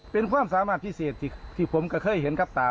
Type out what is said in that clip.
เป็นความสามารถพิเศษที่ผมก็เคยเห็นครับตา